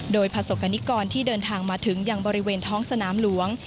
โดยภาษกนิกรที่เดินทางมาถึงอย่างบริเวณท้องสนามหลวง